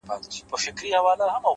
ما مجسمه د بې وفا په غېږ كي ايښې ده،